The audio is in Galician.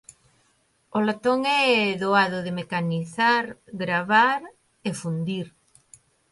O latón é doado de mecanizar, gravar e fundir